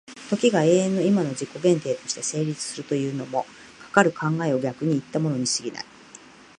時が永遠の今の自己限定として成立するというのも、かかる考を逆にいったものに過ぎない。